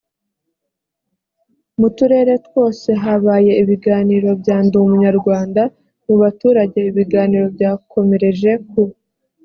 mu turere twose habaye ibiganiro bya ndi umunyarwanda. mu baturage ibiganiro byakomereje ku